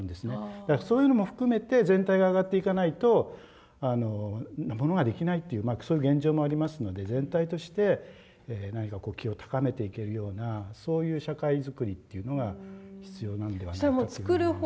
だからそういうのも含めて全体が上がっていかないとものができないというそういう現状もありますので全体として何かこう気を高めていけるようなそういう社会作りっていうのが必要なのではないかと思います。